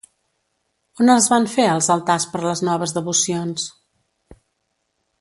On es van fer els altars per les noves devocions?